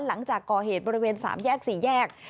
หลังจากก่อเหตุบริเวณ๓แยก๔แยก